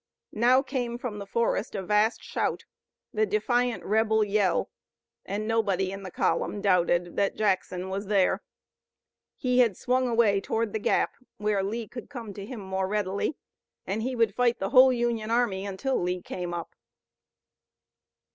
Now came from the forest a vast shout, the defiant rebel yell and nobody in the column doubted that Jackson was there. He had swung away toward the Gap, where Lee could come to him more readily, and he would fight the whole Union army until Lee came up.